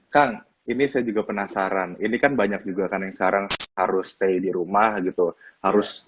kang ini saya juga penasaran ini kan banyak juga kan yang sekarang harus stay di rumah gitu